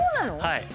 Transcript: はい。